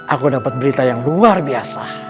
aku dapat berita yang luar biasa